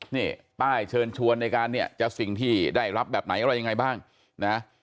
นี่ป้ายเชิญชวนในการเนี่ยจะสิ่งที่ได้รับแบบไหนอะไรยังไงบ้างนะ